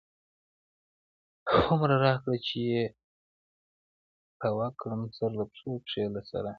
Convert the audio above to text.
هو مره را کړه چی پی ورک کړم، سرله پښو، پښی له سره